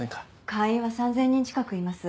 会員は３０００人近くいます。